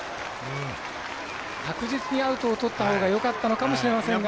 確実にアウトをとったほうがいいかもしれませんが。